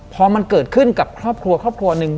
พอมันเกิดขึ้นกับครอบครัวครอบครัวหนึ่ง